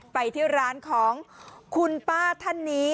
ไปที่ร้านของคุณป้าท่านนี้